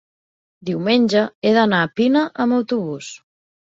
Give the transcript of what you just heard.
Diumenge he d'anar a Pina amb autobús.